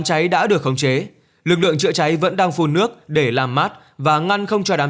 cháy đã được khống chế lực lượng chữa cháy vẫn đang phun nước để làm mát và ngăn không cho đám